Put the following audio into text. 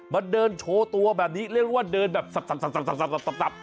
มาเดินโชว์ตัวแบบนี้เรียกว่าเดินแบบสับ